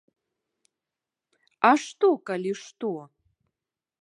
А што, калі што?